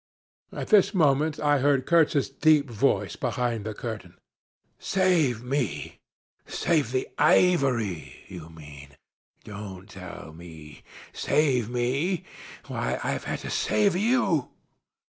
"At this moment I heard Kurtz's deep voice behind the curtain, 'Save me! save the ivory, you mean. Don't tell me. Save me! Why, I've had to save you.